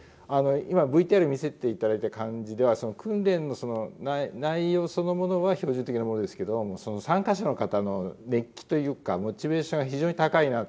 今ＶＴＲ見せていただいた感じでは訓練の内容そのものは標準的なものですけど参加者の方の熱気というかモチベーションが非常に高いなと。